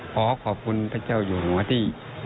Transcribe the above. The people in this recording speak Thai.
ขอขอบคุณพระเจ้าอยู่หัวที่